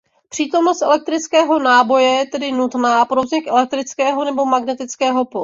Přítomnost elektrického náboje je tedy nutná pro vznik elektrického nebo magnetického pole.